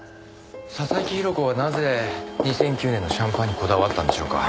佐々木広子はなぜ２００９年のシャンパンにこだわったんでしょうか？